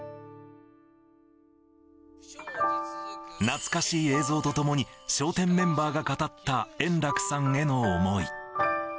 懐かしい映像とともに、笑点メンバーが語った円楽さんへの思い。